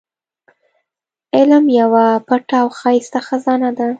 علم يوه پټه او ښايسته خزانه ده.